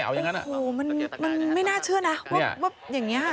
โอ้โหมันไม่น่าเชื่อนะว่าอย่างนี้